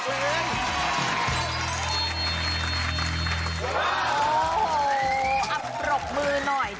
โอ้โหปรบมือหน่อย